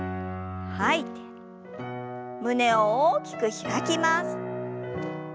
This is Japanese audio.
胸を大きく開きます。